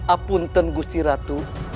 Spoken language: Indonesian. apunten gusti ratu